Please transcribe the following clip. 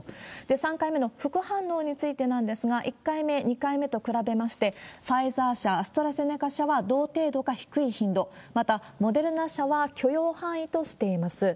３回目の副反応についてなんですが、１回目、２回目と比べまして、ファイザー社、アストラゼネカ社は同程度か低い頻度、また、モデルナ社は許容範囲としています。